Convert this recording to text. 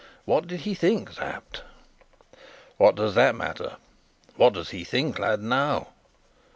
What did he think, Sapt?" "What does that matter? What does he think, lad, now?"